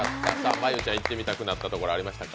真悠ちゃん行ってみたくなった所はありましたか？